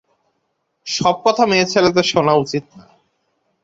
সব কথা মেয়েছেলেদের শোনা উচিত না।